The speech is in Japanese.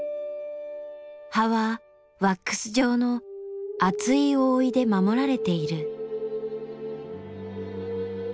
葉はワックス状の厚い覆いで守られている。